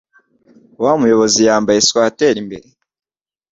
Wa muyobizi yambaye swater imbere.